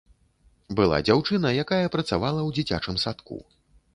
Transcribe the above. Была дзяўчына, якая працавала ў дзіцячым садку.